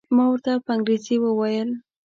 ما ورته په انګریزي وویل.